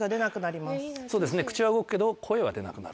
そうですね口は動くけど声は出なくなる。